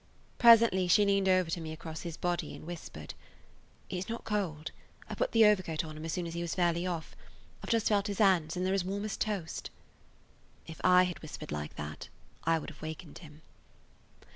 Presently she leaned over to me across his body and whispered: "He 's not cold. I put the overcoat on him as soon as he was fairly off. I 've just I felt his hands, and they 're as warm as toast." If I had whispered like that I would have wakened him.